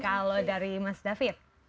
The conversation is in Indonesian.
kalau dari mas david